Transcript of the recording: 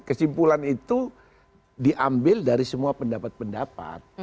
kesimpulan itu diambil dari semua pendapat pendapat